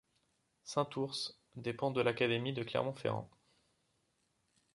Saint-Ours dépend de l'académie de Clermont-Ferrand.